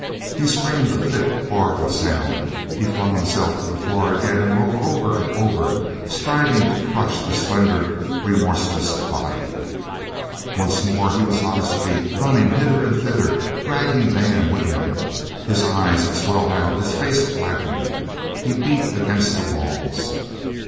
He screamed, a thick, horrible sound. He flung himself to the floor again and rolled over and over, striving to crush the slender, remorseless body. Once more he was on his feet, running hither and thither, dragging Dan with him. His eyes swelled out; his face blackened. He beat against the walls.